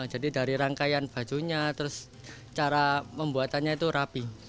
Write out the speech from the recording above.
jadi dari rangkaian bajunya terus cara membuatannya itu rapi